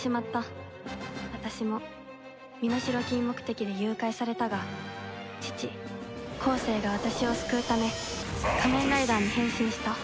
私も身代金目的で誘拐されたが父光聖が私を救うため仮面ライダーに変身した